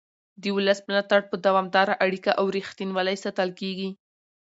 د ولس ملاتړ په دوامداره اړیکه او رښتینولۍ ساتل کېږي